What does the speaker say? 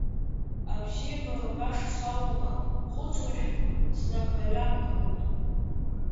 Абзиабара баша салоума, хәыцрашәк снаргаҩаргауеит!